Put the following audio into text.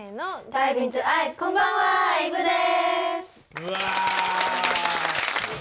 うわ！